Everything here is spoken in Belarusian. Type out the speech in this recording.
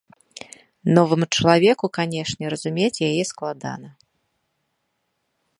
Новаму чалавеку, канешне, разумець яе складана.